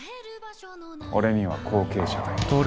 俺には後継者がいる。